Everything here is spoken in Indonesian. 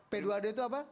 p dua d itu apa